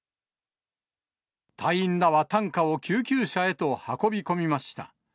隊員らは担架を救急車へと運び込みました。